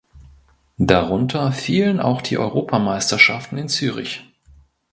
Darunter fielen auch die Europameisterschaften in Zürich.